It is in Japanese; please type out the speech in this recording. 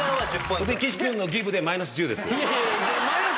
で岸君のギブでマイナス１０です。